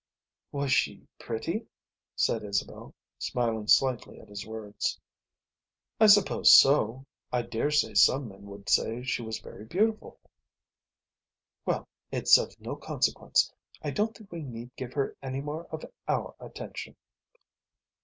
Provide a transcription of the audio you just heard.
"Was she pretty?" said Isabel, smiling slightly at his words. "I suppose so. I daresay some men would say she was very beautiful." "Well, it's of no consequence. I don't think we need give her any more of our attention."